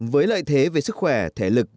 với lợi thế về sức khỏe thể lực